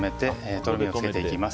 とろみをつけてまいります。